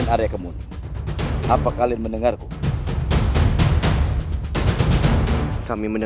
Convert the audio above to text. saya sudah berhasil menangkapnya